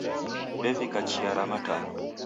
W'evika chia ra matanyo.